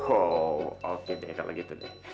oh oke deh kalau gitu deh